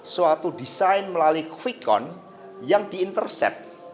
suatu desain melalui kvikon yang di intercept